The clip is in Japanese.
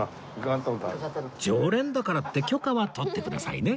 常連だからって許可は取ってくださいね